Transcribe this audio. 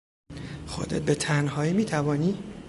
خودت به تنهایی میتوانی؟